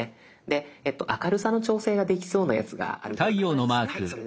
で明るさの調整ができそうなやつがあるではないですか。